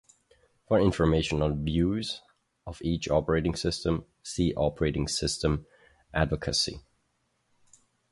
For information on views of each operating system, see operating system advocacy.